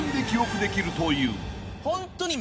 ホントに。